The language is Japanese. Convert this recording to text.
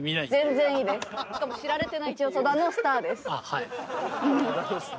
はい。